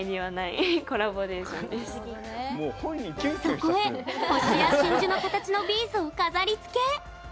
そこへ星や真珠の形のビーズを飾りつけ。